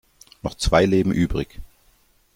Noch zwei Leben übrig.